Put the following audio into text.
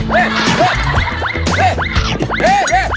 ไม่เป็ดสินะครับ